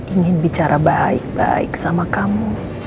ingin bicara baik baik sama kamu